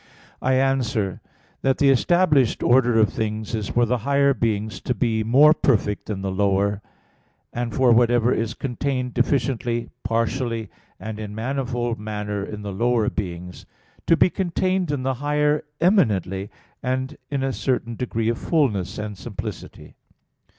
I answer that, The established order of things is for the higher beings to be more perfect than the lower; and for whatever is contained deficiently, partially, and in manifold manner in the lower beings, to be contained in the higher eminently, and in a certain degree of fulness and simplicity.